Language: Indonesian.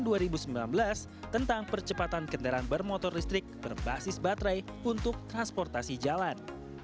dan juga pembahasan dua ribu sembilan belas tentang percepatan kendaraan bermotor listrik berbasis baterai untuk transportasi jalan